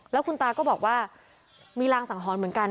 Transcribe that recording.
แล้วคุณตาก็บอกว่ามีรางสังหรณ์เหมือนกัน